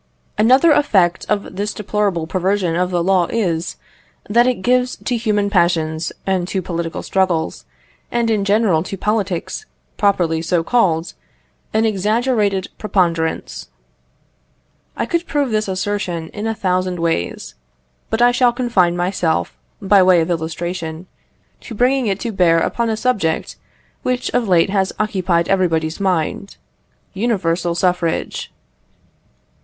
Another effect of this deplorable perversion of the law is, that it gives to human passions and to political struggles, and, in general, to politics, properly so called, an exaggerated preponderance. I could prove this assertion in a thousand ways. But I shall confine myself, by way of illustration, to bringing it to bear upon a subject which has of late occupied everybody's mind universal suffrage.